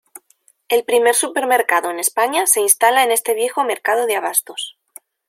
El primer supermercado en España se instala en este viejo mercado de abastos.